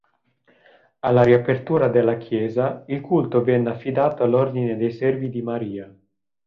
Alla riapertura della chiesa il culto venne affidato all'ordine dei Servi di Maria.